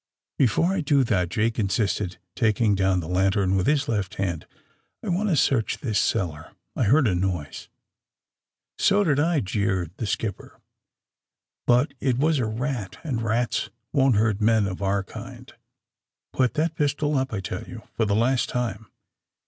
'* Before I do that," Jake insisted, taking down the lantern with his left hand, ^^I want to search this cellar. I heard a noise." '^So did I," jeered the skipper. *^But it was a rat, and rats won't hurt men of our kind. Put that pistol up, I tell you, for the last time.